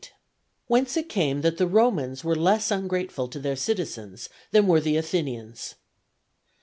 —Whence it came that the Romans were less ungrateful to their Citizens than were the Athenians.